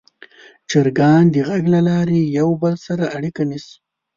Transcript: چرګان د غږ له لارې یو بل سره اړیکه نیسي.